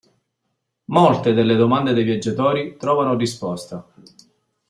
Molte delle domande dei viaggiatori trovano risposta.